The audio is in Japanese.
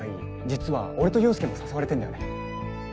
実は俺と陽佑も誘われてんだよね。